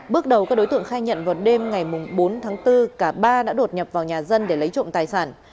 bước đầu các đối tượng khai nhận vào đêm ngày bốn tháng bốn cả ba đã đột nhập vào nhà dân để lấy trộm tài sản